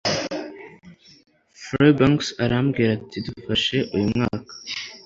Fairbanks arambwira ati Dufashe uyu mwaka